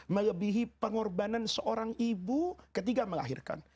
melebihi pengorbanan seorang ibu ketika melahirkan